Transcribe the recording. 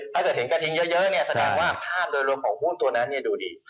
ถ้าเกิดเห็นกระทิงเยอะแสดงว่าภาพโดยรวมของหุ้นตัวนั้นดูดี